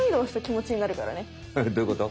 どういうこと？